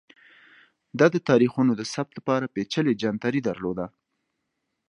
دا د تاریخونو د ثبت لپاره پېچلی جنتري درلوده